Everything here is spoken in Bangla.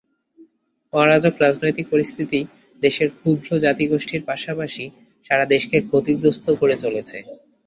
অরাজক রাজনৈতিক পরিস্থিতি দেশের ক্ষুদ্র জাতিগোষ্ঠীর পাশাপাশি সারা দেশকে ক্ষতিগ্রস্ত করে চলেছে।